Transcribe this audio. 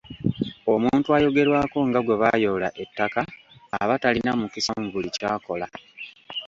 Omuntu ayogerwako nga gwe baayoola ettaka aba talina mukisa mu buli ky’akola.